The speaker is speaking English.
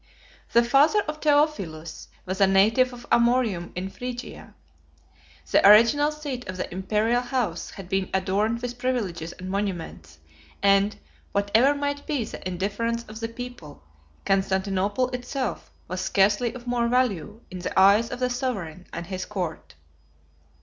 The father of Theophilus was a native of Amorium 92 in Phrygia: the original seat of the Imperial house had been adorned with privileges and monuments; and, whatever might be the indifference of the people, Constantinople itself was scarcely of more value in the eyes of the sovereign and his court.